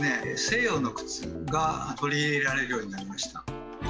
西洋の靴が取り入れられるようになりました。